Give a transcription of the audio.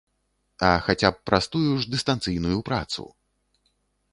А хаця б праз тую ж дыстанцыйную працу!